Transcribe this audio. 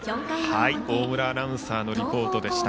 大村アナウンサーのリポートでした。